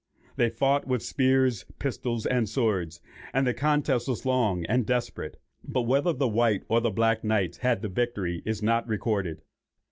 They fought with spears, pistols, and swords, and the contest was long and desperate; but whether the white or black knights had the victory is not recorded.